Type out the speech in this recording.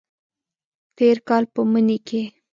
تیر کال په مني کې